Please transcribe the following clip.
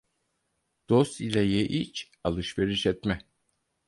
Dost ile ye, iç, alışveriş etme.